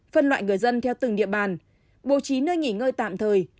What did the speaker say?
phân loại người dân theo từng địa bàn bố trí nơi nghỉ ngơi tạm thời